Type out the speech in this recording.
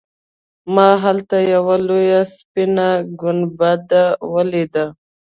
ما هلته یوه لویه سپینه ګنبده ولیده.